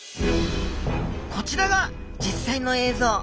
こちらが実際の映像。